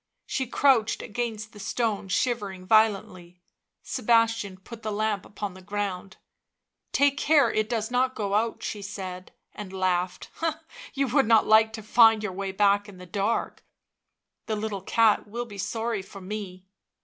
She crouched against the stone, shivering violently. Sebastian put the lamp upon the ground. " Take care it does not go out," she said, and laughed. u You would not like to find your way back in the dark — the little cat will be sorry for me."